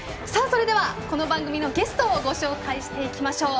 それでは、この番組のゲストをご紹介していきましょう。